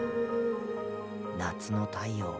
夏の太陽を。